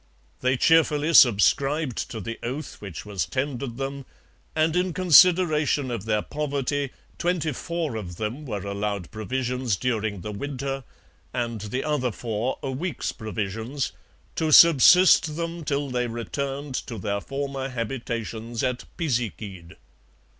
They cheerfully subscribed to the oath which was tendered them, and in consideration of their poverty twenty four of them were allowed provisions during the winter, and the other four a week's provisions 'to subsist them till they returned to their former habitations at Pisiquid.'